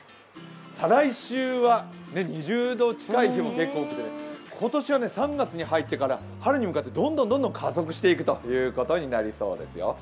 再来週は２０度近く日も結構多くて今年は３月に入ってから春に向かってどんどん加速していくということになりそうですよ。